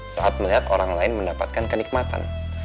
saat melihat orang lain mendapatkan kenikmatan